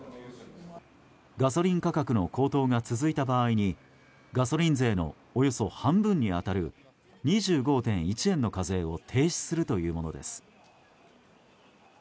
ガソリン価格の高騰が続いた場合にガソリン税のおよそ半分に当たる２５．１円の課税を停止するというものです。